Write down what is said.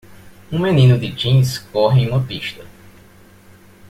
Um menino de jeans corre em uma pista.